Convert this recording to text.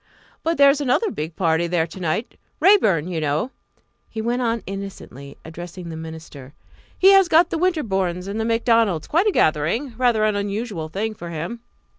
"But there is another big party there to night Raeburn you know," he went on innocently, addressing the minister; "he has got the Winterbournes and the Macdonalds quite a gathering rather an unusual thing for him."